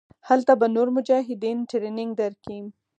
هلته به نور مجاهدين ټرېننګ دركي.